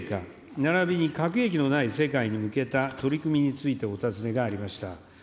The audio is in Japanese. ならびに核兵器のない世界に向けた取り組みについてお尋ねがありました。